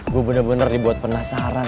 gue bener bener dibuat penasaran